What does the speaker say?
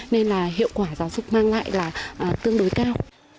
nên là hiệu quả giáo dục mang lại là tương đối cao